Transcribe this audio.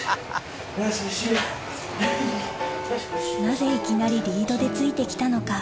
なぜいきなりリードでついて来たのか？